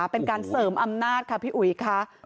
เป็นการเสริมอำนาจค่ะพี่อุ๋ยค่ะ